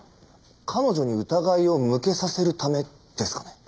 彼女に疑いを向けさせるためですかね？